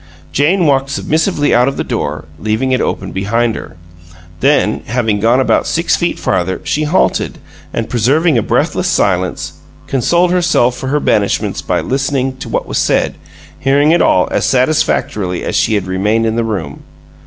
Jane walked submissively out of the door, leaving it open behind her. Then, having gone about six feet farther, she halted and, preserving a breathless silence, consoled herself for her banishment by listening to what was said, hearing it all as satisfactorily as if she had remained in the room.